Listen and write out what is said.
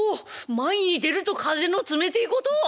前に出ると風の冷てえこと」。